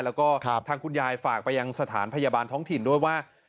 แล้วก็ทางคุณยายฝากไปยังสถานพยาบาลท้องถิ่นด้วยว่า